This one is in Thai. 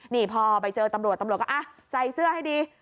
นี่พอไปเจอตำรวจตำรวจก็ใส่เสื้อให้ดี